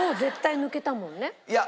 いや。